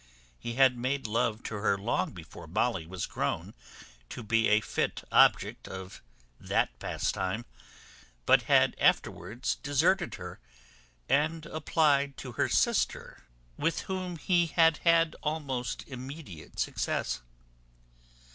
He had made love to her long before Molly was grown to be a fit object of that pastime; but had afterwards deserted her, and applied to her sister, with whom he had almost immediate success.